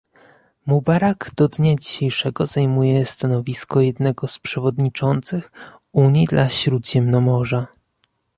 Mubarak do dnia dzisiejszego zajmuje stanowisko jednego z przewodniczących Unii dla Śródziemnomorza